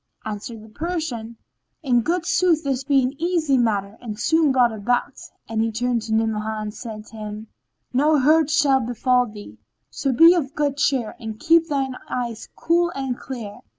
Answered the Persian, "In good sooth this be an easy matter and soon brought about," and he turned to Ni'amah and said to him, "No hurt shall befall thee; so be of good cheer and keep thine eyes cool and clear."